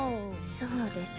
そうでしょ？